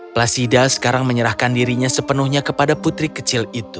placida sekarang menyerahkan dirinya sepenuhnya kepada putri kecil itu